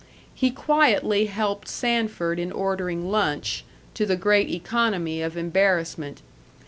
He quietly helped Sanford in ordering lunch, to the great economy of embarrassment.